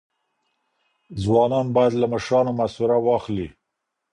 ځوانان باید له مشرانو مسوره واخلي.